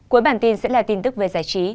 cuối bản tin sẽ là tin tức về giải trí